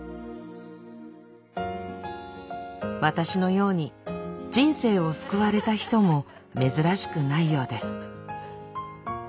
私のように人生を救われた人も珍しくないようです。